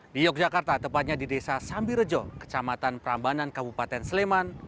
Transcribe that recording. di yogyakarta tepatnya di desa sambirejo kecamatan prambanan kabupaten sleman